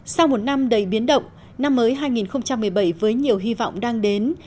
sau một năm đầy biến động năm mới hai nghìn một mươi bảy với nhiều hy vọng đang đến